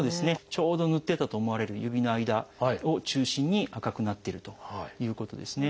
ちょうどぬってたと思われる指の間を中心に赤くなってるということですね。